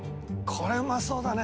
これうまそうだね。